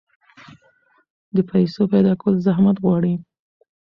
د پیسو پیدا کول زحمت غواړي.